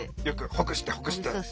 よくほぐしてほぐして。